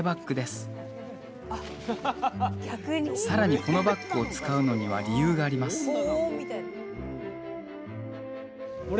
更にこのバッグを使うのには理由があります